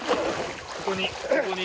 ここに。